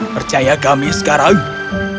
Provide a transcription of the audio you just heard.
percaya kami sekarang datanglah